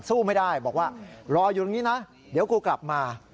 สู้ไม่ได้บอกว่ารออยู่ตรงนี้นะเดี๋ยวกูกลับมา